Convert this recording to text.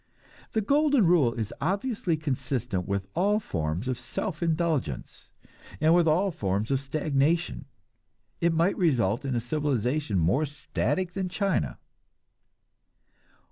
The "golden rule" is obviously consistent with all forms of self indulgence, and with all forms of stagnation; it might result in a civilization more static than China.